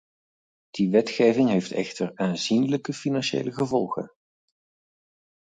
Die wetgeving heeft echter aanzienlijke financiële gevolgen.